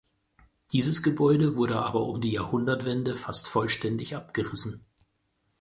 Dieses Gebäude wurde aber um die Jahrhundertwende fast vollständig abgerissen.